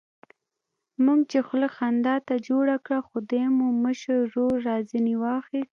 موږ چې خوله خندا ته جوړه کړله، خدای مو مشر ورور را ځنې واخیست.